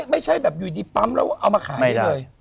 ไม่ใช่แบบอยู่ดีปั๊มแล้วเอามาขายได้เลย